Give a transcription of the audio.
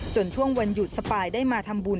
ช่วงวันหยุดสปายได้มาทำบุญ